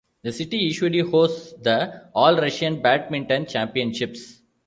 The city usually hosts the All-Russian badminton championships.